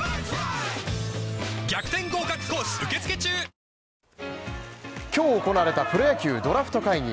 ＪＴ今日行われたプロ野球ドラフト会議